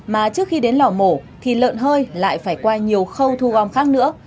mà trước khi đến lò mổ thì lợn hơi lại phải qua nhiều khâu thu gom khác nữa